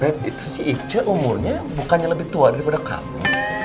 tapi itu si ice umurnya bukannya lebih tua daripada kamu